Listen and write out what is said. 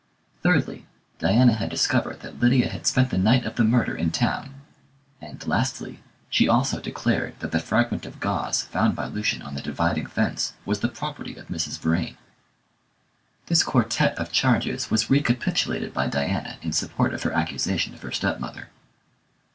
Thirdly, Diana had discovered that Lydia had spent the night of the murder in town; and, lastly, she also declared that the fragment of gauze found by Lucian on the dividing fence was the property of Mrs. Vrain. This quartette of charges was recapitulated by Diana in support of her accusation of her stepmother.